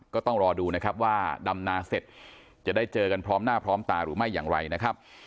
ก็ต้องรอดูนะครับว่าดำนาเสร็จจะได้เจอกันพร้อมหน้าพร้อมตาหรือไม่อย่างไรนะครับ